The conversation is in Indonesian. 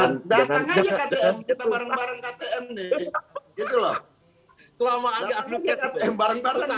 datang aja ktm kita bareng bareng ktm nih